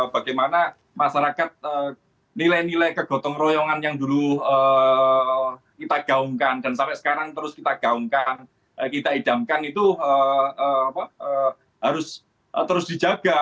bagaimana masyarakat nilai nilai kegotong royongan yang dulu kita gaungkan dan sampai sekarang terus kita gaungkan kita idamkan itu harus terus dijaga